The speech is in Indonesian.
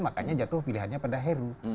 makanya jatuh pilihannya pada heru